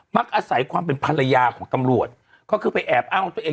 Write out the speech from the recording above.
อาศัยความเป็นภรรยาของตำรวจก็คือไปแอบอ้างตัวเอง